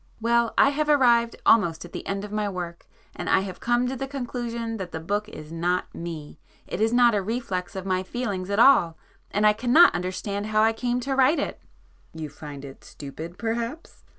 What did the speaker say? "Well I have arrived almost at the end of my work and I have come to the conclusion that the book is not Me,—it is not a reflex of my feelings at all,—and I cannot understand how I came to write it." "You find it stupid perhaps?"